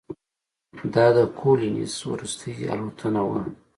دا د کولینز وروستۍ الوتنه وه.